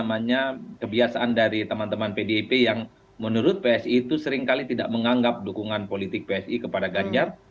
psi itu mengkritik perilaku ataupun kebiasaan dari teman teman pdip yang menurut psi itu seringkali tidak menganggap dukungan politik psi kepada ganjar